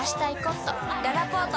ららぽーと